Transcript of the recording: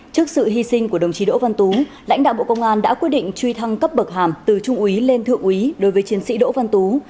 trước sự hy sinh của đồng chí đỗ văn tú lãnh đạo bộ công an đã quyết định truy thăng cấp bậc hàm từ trung úy lên thượng úy đối với chiến sĩ đỗ văn tú